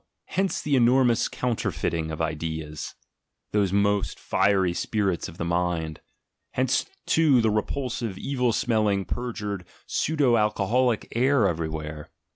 Hence the enormous counterfeiting of ideals, those most fiery spirits of the mind; hence too the repulsive, evil smelling, perjured, pseudo alcoholic air everywhere.